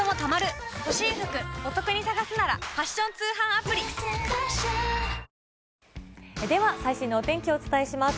あふっでは、最新のお天気をお伝えします。